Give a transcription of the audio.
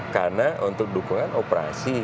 karena untuk dukungan operasi